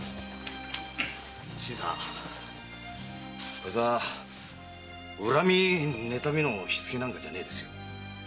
こいつは恨み妬みの火付けなんかじゃねえですよ。